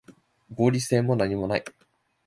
合理性もなにもない